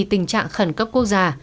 tình trạng khẩn cấp quốc gia